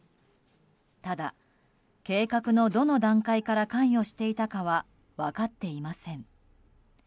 ただ、計画のどの段階から関与していたかは分かっていません。